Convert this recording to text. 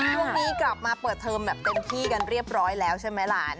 ช่วงนี้กลับมาเปิดเทอมแบบเต็มที่กันเรียบร้อยแล้วใช่ไหมหลาน